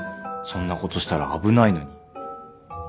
そんなことしたら危ないのに。